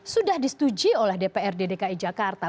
sudah disetujui oleh dprd dki jakarta